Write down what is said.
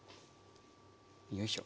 よいしょ。